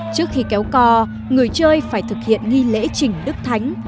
trước khi kéo co người chơi phải thực hiện nghi lễ chỉnh đức thánh